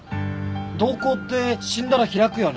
瞳孔って死んだら開くよね？